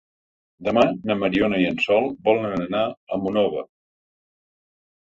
Demà na Mariona i en Sol volen anar a Monòver.